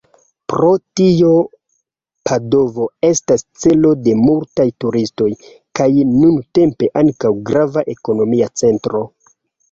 Pro tio Padovo estas celo de multaj turistoj, kaj nuntempe ankaŭ grava ekonomia centro.